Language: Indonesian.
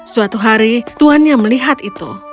suatu hari tuannya melihat itu